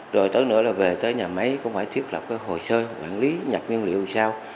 rồi tới nữa là về tới nhà máy cũng phải thiết lập cái hồ sơ quản lý nhập nguyên liệu sao